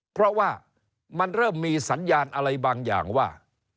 เพราะว่ามันเริ่มมีสัญญาณอะไรบางอย่างว่า